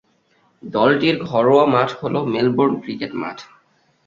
দলটির ঘরোয়া মাঠ হল মেলবোর্ন ক্রিকেট মাঠ।